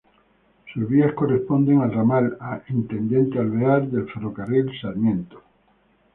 Sus vías corresponden al Ramal a Intendente Alvear del Ferrocarril Sarmiento.